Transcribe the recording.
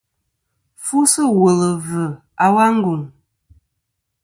Fu sɨ̂ wùl ɨ̀ vzɨ̀ a wa ngùŋ.